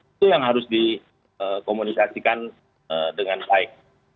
itu yang harus dikomunikasikan dengan baik